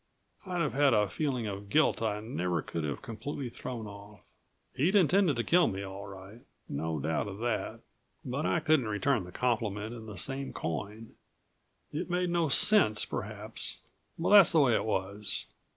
I'd have had a feeling of guilt I never could have completely thrown off. He'd intended to kill me, all right ... no doubt of that. But I couldn't return the compliment in the same coin. It made no sense, perhaps, but that's the way it was.